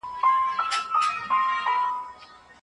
څوک د خپلي پرله پسې هڅي له لاري لوړ مقام ته رسیږي؟